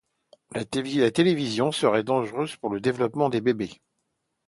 La télévision serait dangereuse pour le développement des bébés.